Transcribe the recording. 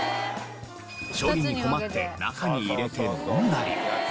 処分に困って中に入れて飲んだり。